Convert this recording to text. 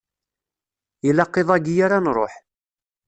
Ilaq iḍ-ayi ara nruḥ.